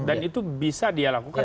dan itu bisa dia lakukan